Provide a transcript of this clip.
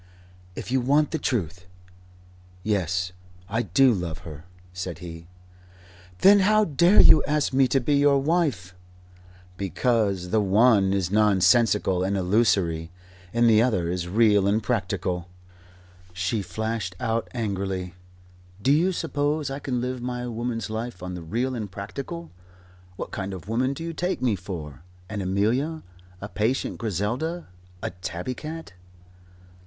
"If you want the Truth yes, I do love her," said he. "Then how dare you ask me to be your wife?" "Because the one is nonsensical and illusory and the other is real and practical." She flashed out angrily: "Do you suppose I can live my woman's life on the real and practical? What kind of woman do you take me for? An Amelia, a Patient Griselda, a tabby cat?"